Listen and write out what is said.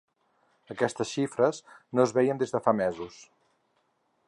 Aquestes xifres no es veien des de fa mesos.